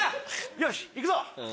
よし行くぞ。